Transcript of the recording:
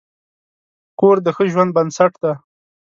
کور د ښه ژوند بنسټ دی.